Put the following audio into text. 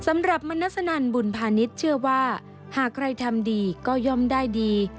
สำหรับมณสนันบุญพาณิชย์เชื่อว่าหากใครทำดีก็ย่อมได้ดี